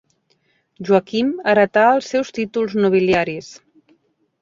Joaquim heretà els seus títols nobiliaris.